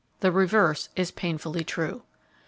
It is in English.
The reverse is painfully true.